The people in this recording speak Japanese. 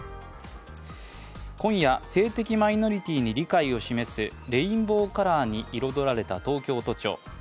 今夜、性的マイノリティーに理解を示すレインボーカラーに彩られた東京都庁。